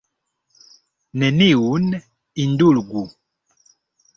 Neniun indulgu!